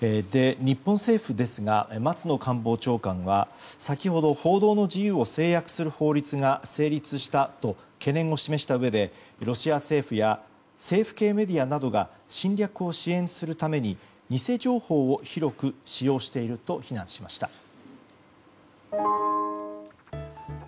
日本政府ですが松野官房長官は先ほど報道の自由を制約する法律が成立したと懸念を示したうえでロシア政府や政府系メディアなどが侵略を支援するために偽情報を広く使用していると非難しました。